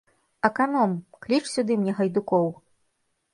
Аканом, кліч сюды мне гайдукоў!